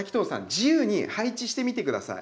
自由に配置してみて下さい。